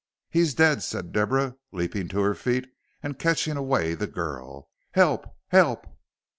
"He's dead," said Deborah, leaping to her feet and catching away the girl. "Help! Help!"